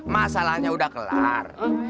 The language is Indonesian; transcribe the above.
masalahnya udah kelar